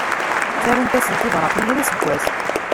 Ttarunt-asen tibratin yal aseggas.